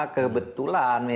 kebetulan kita tidak bisa